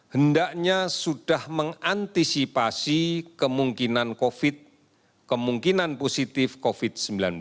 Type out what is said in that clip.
hendaknya sudah mengantisipasi kemungkinan covid sembilan belas